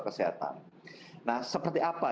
kesehatan nah seperti apa